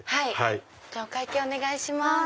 お会計お願いします。